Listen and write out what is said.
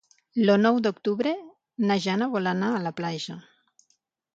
El nou d'octubre na Jana vol anar a la platja.